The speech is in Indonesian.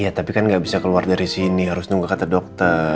ya tapi kan nggak bisa keluar dari sini harus nunggu kata dokter